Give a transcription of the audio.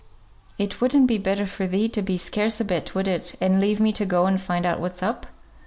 "It wouldn't be better for thee to be scarce a bit, would it, and leave me to go and find out what's up?